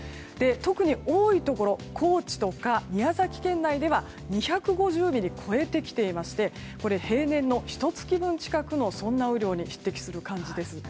特に多いところ、高知とか宮崎県内では２５０ミリを超えてきていましてこれ、平年のひと月分近くの雨量に匹敵する感じです。